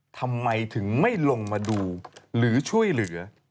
ทำไมถึงไม่ลงมาดูหรือช่วยเหลือ